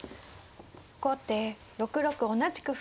後手６六同じく歩。